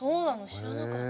知らなかった。